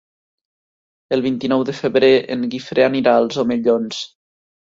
El vint-i-nou de febrer en Guifré anirà als Omellons.